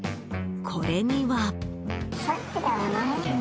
これには。